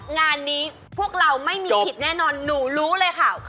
งานนี้พวกเราไม่มีผิดแน่นอนหนูรู้เลยค่ะ